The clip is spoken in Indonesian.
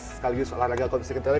sekaligus olahraga kompisi kentara